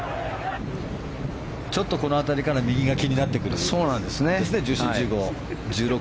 ちょっとこの辺りから右が気になってきますね。